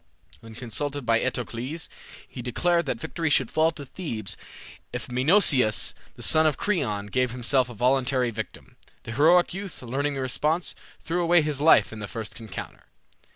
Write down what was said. When consulted by Eteocles, he declared that victory should fall to Thebes if Menoeceus, the son of Creon, gave himself a voluntary victim. The heroic youth, learning the response, threw away his life in the first encounter.